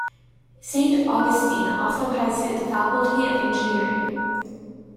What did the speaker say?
Saint Augustine also has the Faculty of Engineering.